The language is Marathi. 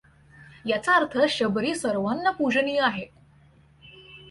याचा अर्थ शबरी सर्वांना पूजनीय आहे.